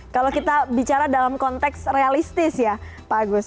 kalau kita bicara dalam konteks realistis ya pak agus